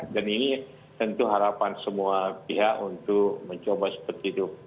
dan ini tentu harapan semua pihak untuk mencoba seperti itu